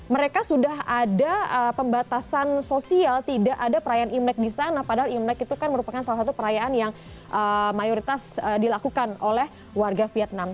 mereka sudah ada pembatasan sosial tidak ada perayaan imlek di sana padahal imlek itu kan merupakan salah satu perayaan yang mayoritas dilakukan oleh warga vietnam